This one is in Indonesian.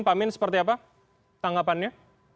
pak amin seperti apa tanggapannya